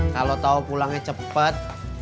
kalau tau pulangnya cepet